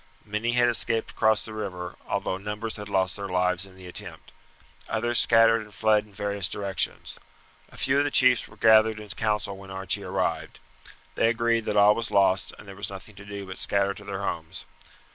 Many had escaped across the river, although numbers had lost their lives in the attempt. Others scattered and fled in various directions. A few of the chiefs were gathered in council when Archie arrived. They agreed that all was lost and there was nothing to do but scatter to their homes.